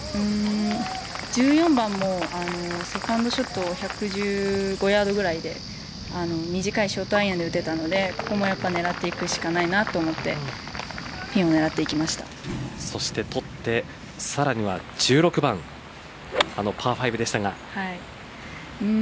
１４番も、セカンドショットを１１５ヤードくらいで短いショートアイアンで打てたのでここも狙っていくしかないなと思ってそして取ってさらには１６番あのパー５でしたが。